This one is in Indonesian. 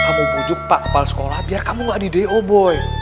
kamu pujuk pak kepala sekolah biar kamu gak di do boy